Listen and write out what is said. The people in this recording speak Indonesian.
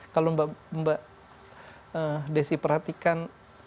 kalau mbak desi perhatikan